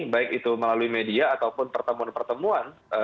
baik itu melalui media ataupun pertemuan pertemuan